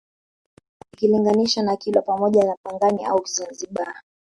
Ikilinganishwa na Kilwa pamoja na Pangani au Zanzibar